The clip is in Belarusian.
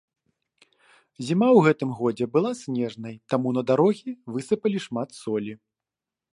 Зіма ў гэтым годзе была снежнай, таму на дарогі высыпалі шмат солі.